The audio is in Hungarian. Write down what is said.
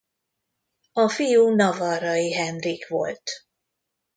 A fiú Navarrai Henrik volt.